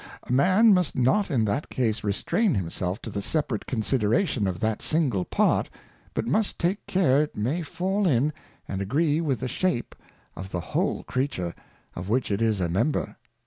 A Man must not in that Case restrain himself to the separate Consideration of that single Part, but must take care it may fall in and agree with the Shape of the whole Creature, of which it is a Member.